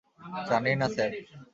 জানি না স্যার।